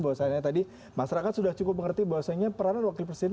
bahwasannya tadi masyarakat sudah cukup mengerti bahwasannya peranan wakil presiden